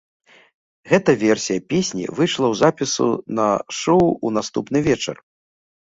Гэта версія песні выйшла ў запісу на шоу ў наступны вечар.